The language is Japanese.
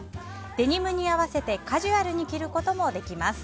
デニムに合わせてカジュアルに着ることもできます。